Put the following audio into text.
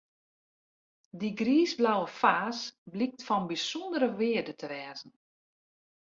Dy griisblauwe faas blykt fan bysûndere wearde te wêze.